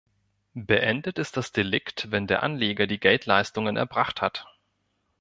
Beendet ist das Delikt, wenn der Anleger die Geldleistungen erbracht hat.